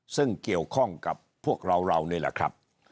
ซึ่งเกี่ยวข้องกับพวกเราเรานี่แหละครับ